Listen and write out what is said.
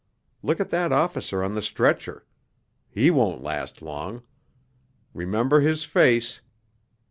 Look at that officer on the stretcher ... he won't last long ... remember his face